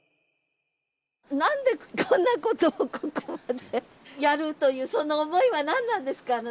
何でこんなことをここまでやるというその思いは何なんですか？